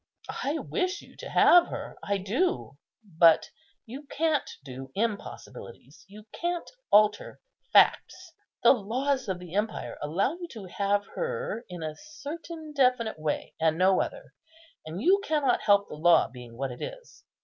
I wish you to have her, I do; but you can't do impossibilities—you can't alter facts. The laws of the empire allow you to have her in a certain definite way, and no other; and you cannot help the law being what it is.